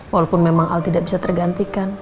walaupun memang al tidak bisa tergantikan